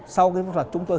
sau cái phẫu thuật chúng tôi